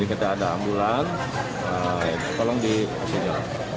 dikata ada ambulans tolong dikasih jalan